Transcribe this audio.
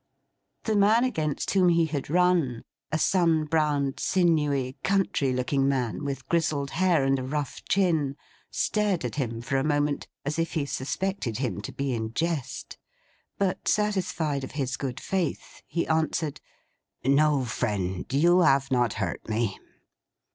The man against whom he had run; a sun browned, sinewy, country looking man, with grizzled hair, and a rough chin; stared at him for a moment, as if he suspected him to be in jest. But, satisfied of his good faith, he answered: 'No, friend. You have not hurt me.